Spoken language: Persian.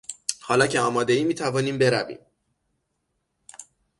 حالا که آمادهای میتوانیم برویم.